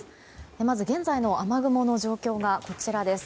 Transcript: まず、現在の雨雲の状況がこちらです。